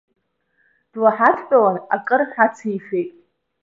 Длаҳадтәалан акыр ҳацифеит.